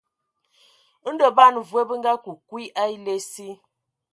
Ndɔ ban mvoe bə akə kwi a ele asi.